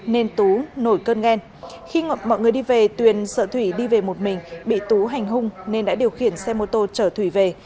nên tú nổi cơn gen khi mọi người đi về tuyền sợ thủy đi về một mình bị tú hành hung nên đã điều khiển xe mô tô chở thủy về